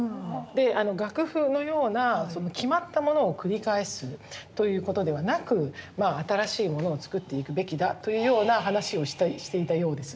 で楽譜のような決まったものを繰り返すということではなく新しいものをつくっていくべきだというような話をしたりしていたようです。